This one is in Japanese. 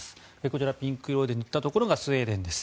こちらピンク色で塗ったところがスウェーデンです。